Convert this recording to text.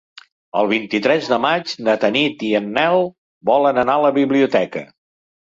El vint-i-tres de maig na Tanit i en Nel volen anar a la biblioteca.